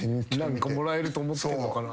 何かもらえると思ってんのかな。